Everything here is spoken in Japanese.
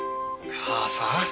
母さん。